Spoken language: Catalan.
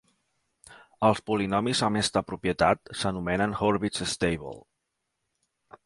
Els polinomis amb esta propietat s"anomenen Hurwitz-stable.